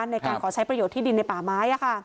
ในการขอใช้ประโยชน์ที่ดินในป่าไม้